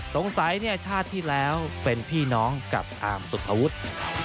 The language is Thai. สงสัยชาติที่แล้วเป็นพี่น้องกับอาร์มสุภวุฒิ